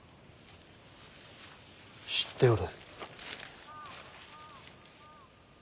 知っておる。